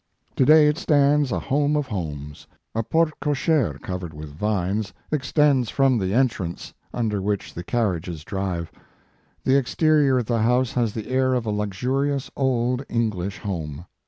To day it stands a home of homes. A porte cochere, cov ered with vines, extends from the en trance, under which the carriages drive. The exterior of the house has the air of a luxurious, old, English home.